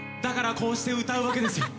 こうして歌うわけですよ。